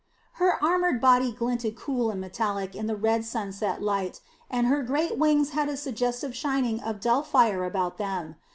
Her armored body glinted cool and metallic in the red sunset light, and her great wings had a suggestive shining of dull fire about them.